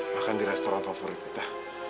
makan di restoran favorit kita